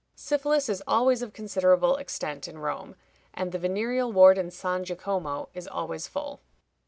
Syphilis is always of considerable extent in Rome, and the venereal ward in San Jacomo is always full.